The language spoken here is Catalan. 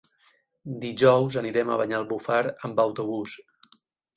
Dijous anirem a Banyalbufar amb autobús.